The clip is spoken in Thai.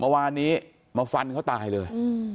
วันนี้มาฟันเขาตายเลย